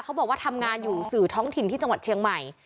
เขาบอกว่าทำงานอยู่สื่อท้องถิ่นที่จังหวัดเชียงใหม่